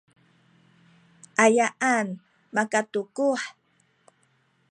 ayaan makatukuh?